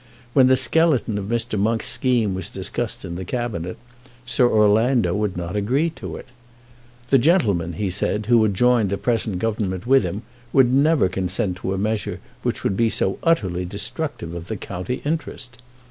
When the skeleton of Mr. Monk's scheme was discussed in the Cabinet, Sir Orlando would not agree to it. The gentlemen, he said, who had joined the present Government with him, would never consent to a measure which would be so utterly destructive of the county interest.